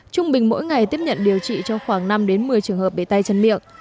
trung bình mỗi ngày tiếp nhận điều trị cho khoảng năm một mươi trường hợp bị tay chân miệng